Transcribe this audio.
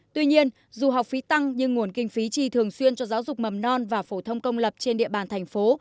tuy nhiên dù học phí tăng nhưng nguồn kinh phí trì thường xuyên cho giáo dục mầm non và phổ thông công lập trên địa bàn thành phố